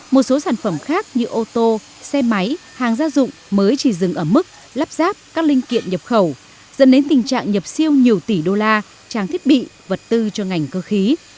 một số sản phẩm khác như ô tô xe máy hàng gia dụng mới chỉ dừng ở mức lắp ráp các linh kiện nhập khẩu dẫn đến tình trạng nhập siêu nhiều tỷ đô la trang thiết bị vật tư cho ngành cơ khí